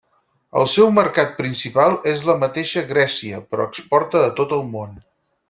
El seu mercat principal és la mateixa Grècia però exporta a tot el món.